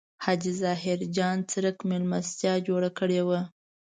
حاجي ظاهر جان څرک مېلمستیا جوړه کړې وه.